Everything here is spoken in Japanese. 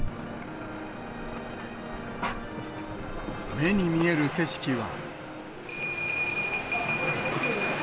目に見える景色は。